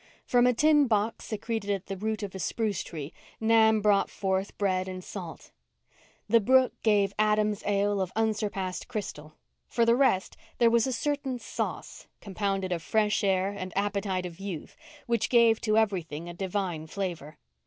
From a tin box secreted at the root of a spruce tree Nan brought forth bread and salt. The brook gave Adam's ale of unsurpassed crystal. For the rest, there was a certain sauce, compounded of fresh air and appetite of youth, which gave to everything a divine flavour.